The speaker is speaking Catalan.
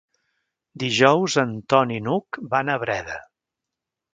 Dijous en Ton i n'Hug van a Breda.